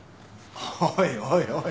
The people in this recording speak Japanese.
おいおいおい。